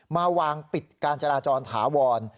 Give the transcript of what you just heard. มาวางปิดการจราจรถาวร